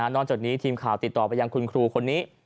นอกจากนี้ทีมข่าวติดต่อไปยังคุณครูคนนี้